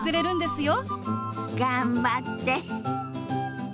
頑張って。